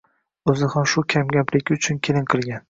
O‘zi ham shu kamgapligi uchun kelin qilgan